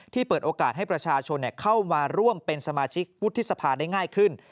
เปิดโอกาสให้ประชาชนเข้ามาร่วมเป็นสมาชิกวุฒิสภาได้ง่ายขึ้น